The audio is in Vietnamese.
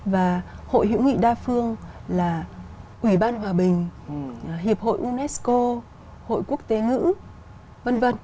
và hội hữu nghị đa phương là ủy ban hòa bình hiệp hội unesco hội quốc tế ngữ v v